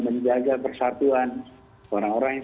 menjaga persatuan orang orang yang